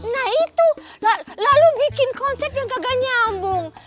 nah itu lalu bikin konsep yang gagal nyambung